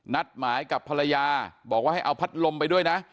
นัดหมายกับภรรยาบอกว่าให้เอาพัดลมไปด้วยนะ